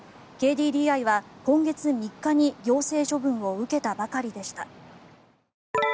ＫＤＤＩは今月３日に行政処分を受けたばかりでした。